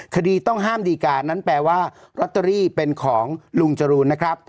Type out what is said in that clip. คดีต้องห้ามดีการนั้นแปลว่าลอตเตอรี่เป็นของลุงจรูนนะครับ